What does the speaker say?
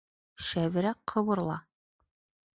Шәберәк ҡыбырла!